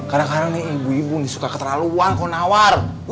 karena karena nih ibu ibu suka keterlaluan kalau nawar